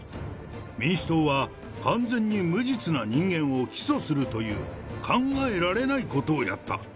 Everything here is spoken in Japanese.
民主党は完全に無実な人間を起訴するという考えられないことをやった。